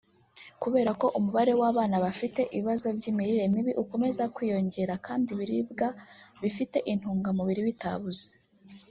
Kubera ko umubare w’abana bafite ibibazo by’imirire mibi ukomeza kwiyongera kandi ibiribwa bifite intungamubiri bitabuze